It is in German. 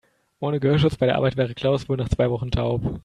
Ohne Gehörschutz bei der Arbeit wäre Klaus wohl nach zwei Wochen taub.